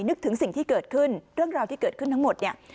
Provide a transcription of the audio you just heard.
นึกถึงสิ่งที่เกิดขึ้นเรื่องราวที่เกิดขึ้นทั้งหมดเนี่ย